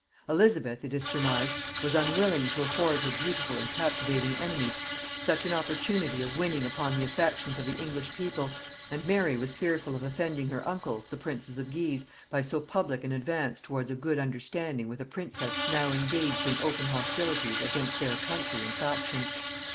Elizabeth, it is surmised, was unwilling to afford her beautiful and captivating enemy such an opportunity of winning upon the affections of the English people, and Mary was fearful of offending her uncles the princes of Guise by so public an advance towards a good understanding with a princess now engaged in open hostilities against their country and faction.